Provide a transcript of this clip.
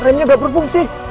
remnya nggak berfungsi